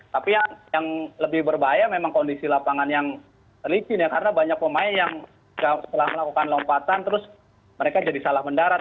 tapi yang lebih berbahaya memang kondisi lapangan yang licin ya karena banyak pemain yang setelah melakukan lompatan terus mereka jadi salah mendarat